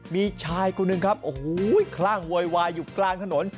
มีชายคนหนึ่งครับโอ้โหคลั่งโวยวายอยู่กลางถนน